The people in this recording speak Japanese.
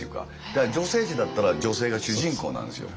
だから女性誌だったら女性が主人公なんですよ。